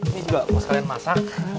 ini juga mau sekalian masak